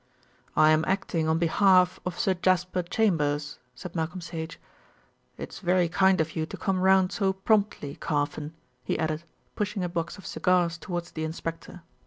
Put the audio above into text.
"I am acting on behalf of Sir Jasper Chambers," said Malcolm Sage. "It's very kind of you to come round so promptly, Carfon," he added, pushing a box of cigars towards the inspector.